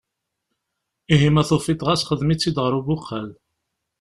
Ihi ma tufiḍ ɣas xdem-itt-id ɣer ubuqal.